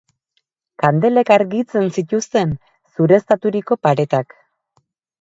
Kandelek argitzen zituzten zureztaturiko paretak.